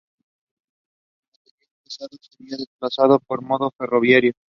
El material pesado sería desplazado por modo ferroviario.